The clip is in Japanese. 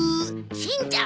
しんちゃん